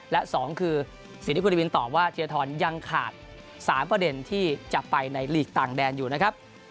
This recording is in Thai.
และ๒คือสิ่งที่คุณวินตอบว่าเทียทรยังขาด๓ประเด็นที่จะไปในลีกต่างแดนอยู่นะครับ